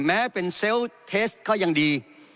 แม้เป็นเซลล์เทสก็ยังดี